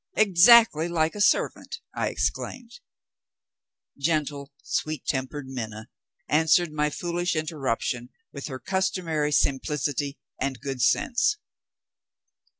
"Exactly like a servant!" I exclaimed. Gentle sweet tempered Minna answered my foolish interruption with her customary simplicity and good sense.